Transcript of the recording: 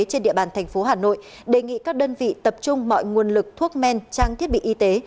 trên địa bàn thành phố hà nội đề nghị các đơn vị tập trung mọi nguồn lực thuốc men trang thiết bị y tế